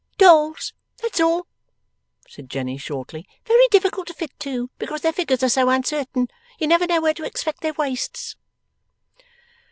'Dolls; that's all,' said Jenny, shortly. 'Very difficult to fit too, because their figures are so uncertain. You never know where to expect their waists.